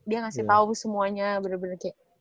dia ngasih tau semuanya bener bener kayak